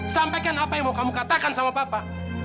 sampaikan apa yang mau kamu katakan sama bapak